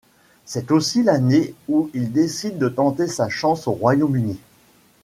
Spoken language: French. C'est aussi l'année où il décide de tenter sa chance au Royaume-Uni.